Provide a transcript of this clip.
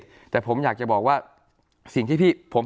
สุดท้ายแล้วพี่บอกว่าพี่เห็นผมเป็นเหมือนพี่ในอดีต